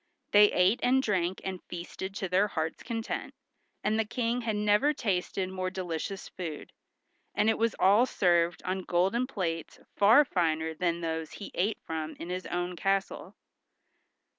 They ate and drank and feasted to their hearts' content, and the King had never tasted more delicious food, and it was all served on golden plates far finer than those he ate from in his own castle.